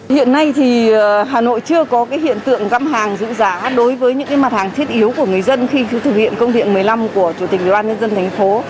hiện nay tp hà nội chưa có hiện tượng găm hàng giữ giá đối với những mặt hàng thiết yếu của người dân khi thực hiện công điện một mươi năm của ubnd tp